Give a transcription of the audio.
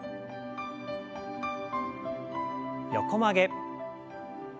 横曲げ。